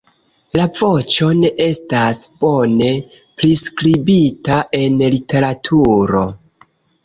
La voĉo ne estas bone priskribita en literaturo.